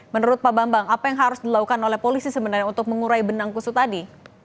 menurut pak bambang apa yang harus dilakukan oleh polisi sebenarnya untuk mengurai benang kusu tadi